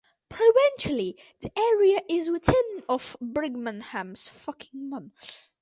Provincially, the area is within the constituency of London-Fanshawe.